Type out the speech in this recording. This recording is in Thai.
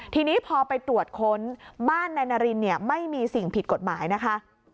ทีนี้พอไปตรวจค้นบ้านนายนารินเนี่ยไม่มีสิ่งผิดกฎหมายนะคะ